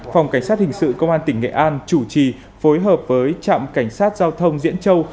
phòng cảnh sát hình sự công an tỉnh nghệ an chủ trì phối hợp với trạm cảnh sát giao thông diễn châu